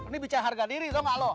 ini bicara harga diri tau gak lu